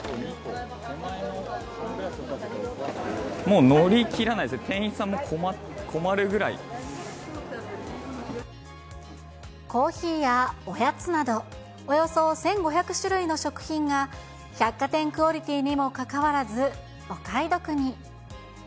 もう載りきらないです、コーヒーやおやつなど、およそ１５００種類の食品が、百貨店クオリティーにもかかわらず、お買い得に。